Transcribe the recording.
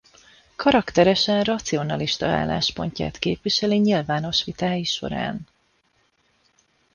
Karakteresen racionalista álláspontját képviseli nyilvános vitái során.